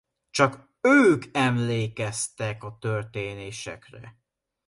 Csak ők emlékeztek a történésekre.